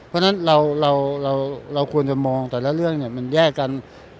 เพราะฉะนั้นเราควรจะมองแต่ละเรื่องมันแยกกัน